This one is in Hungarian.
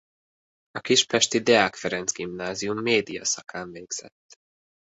A Kispesti Deák Ferenc Gimnázium média szakán végzet.